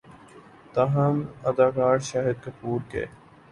تاہم اداکار شاہد کپور کے